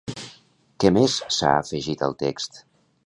Què més s'ha afegit al text?